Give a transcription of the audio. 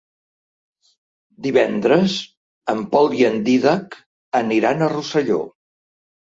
Divendres en Pol i en Dídac aniran a Rosselló.